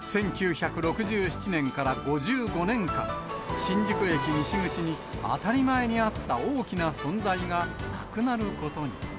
１９６７年から５５年間、新宿駅西口に当たり前にあった大きな存在が、なくなることに。